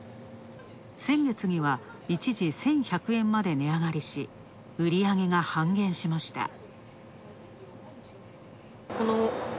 先月には一時１１００円まで値上がりし、売上げが半減しました。